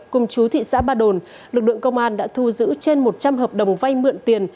cùng chú thị xã ba đồn lực lượng công an đã thu giữ trên một trăm linh hợp đồng vay mượn tiền